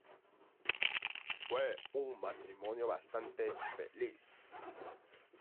Fue un matrimonio bastante feliz.